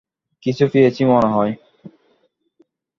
কিছু পেয়েছি মনেহয়।